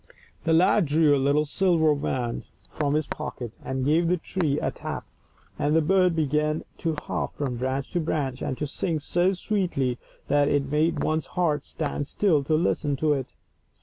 The lad drew a little silver wand from his pocket, and gave the tree a tap, and the bird began to hop from branch to branch, and to sing so sweetly that it made one's heart stand still to listen to it.